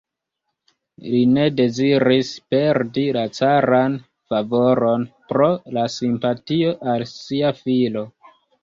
Li ne deziris perdi la caran favoron pro la simpatio al sia filo.